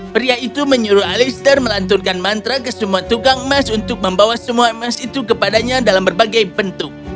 pria itu menyuruh alister melantunkan mantra ke semua tukang emas untuk membawa semua emas itu kepadanya dalam berbagai bentuk